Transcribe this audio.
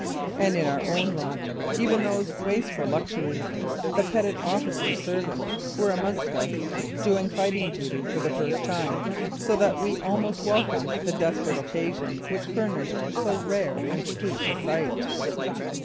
And in our own lot, even those wasteful luxuries, the petted officers' servants were amongst us, doing fighting duty for the first time, so that we almost welcomed the desperate occasion which furnished so rare and sweet a sight.